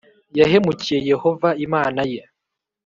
Yahemukiye Yehova Imana ye